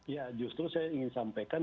ya justru saya ingin sampaikan